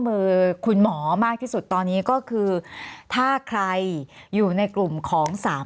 มือคุณหมอมากที่สุดตอนนี้ก็คือถ้าใครอยู่ในกลุ่มของสาม